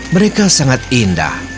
mereka sangat indah